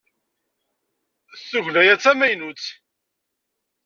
Tugna-a d tamaynut?